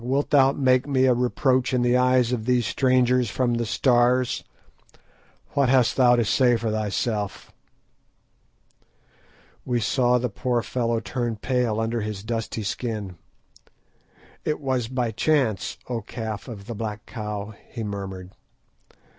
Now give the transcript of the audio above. Wilt thou make me a reproach in the eyes of these strangers from the Stars? What hast thou to say for thyself?" We saw the poor fellow turn pale under his dusky skin. "It was by chance, O Calf of the Black Cow," he murmured.